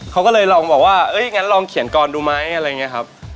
เขาก็เลยลองบอกว่างั้นลองเขียนกรดูไหมอะไรอย่างนี้ครับ